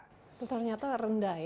itu ternyata rendah ya